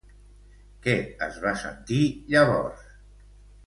Què es va sentir llavors?